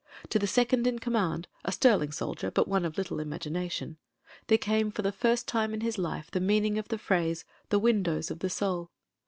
To the second in command, a sterling soldier but one of little imagi nation, there came for the first time in his life the meaning of the phrase, "the windows of the soul."